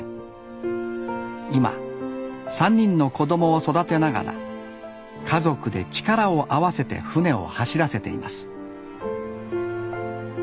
今３人の子供を育てながら家族で力を合わせて舟を走らせています